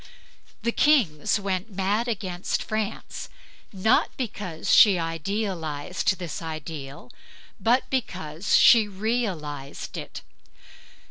The kings went mad against France not because she idealized this ideal, but because she realized it.